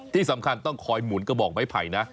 ที่สำคัญต้องคอยหมุนกระบอกไม้ไผ่นะ